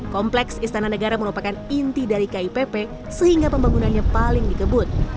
kompleks istana negara merupakan inti dari kipp sehingga pembangunannya paling dikebut